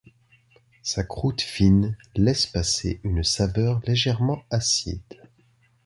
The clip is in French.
Sa croûte fine laisse passer une saveur légèrement acide.